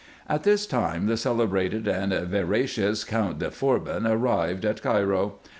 At this time the celebrated and veracious Count de Forbin arrived at Cairo.